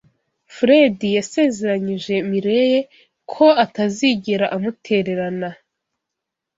Fredy yasezeranyije Mirelle ko atazigera amutererana